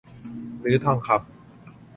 หรือทองคำ